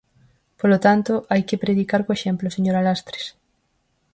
Polo tanto, hai que predicar co exemplo, señora Lastres.